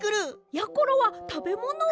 やころはたべものを。